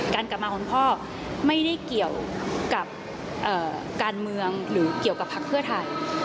กลับมาของคุณพ่อไม่ได้เกี่ยวกับการเมืองหรือเกี่ยวกับภักดิ์เพื่อไทย